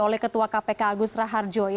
oleh ketua kpk agus raharjo